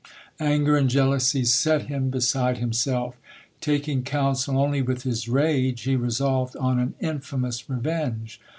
Anger and jealousy set him beside himself. Taking counsel only with his rage, he resolved on an infamous revenge.